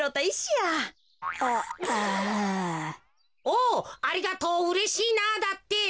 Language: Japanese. お「ありがとう。うれしいな」だって。